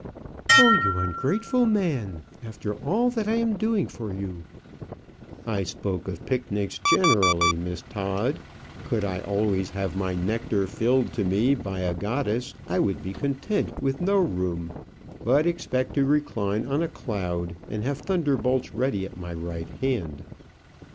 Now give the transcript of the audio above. "Oh, you ungrateful man; after all that I am doing for you!" "I spoke of picnics generally, Miss Todd. Could I always have my nectar filled to me by a goddess, I would be content with no room, but expect to recline on a cloud, and have thunderbolts ready at my right hand."